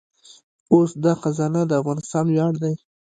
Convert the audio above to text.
اوس دا خزانه د افغانستان ویاړ دی